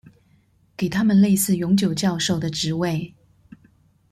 給他們類似永久教授的職位